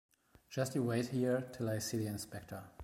Just you wait here till I see the inspector.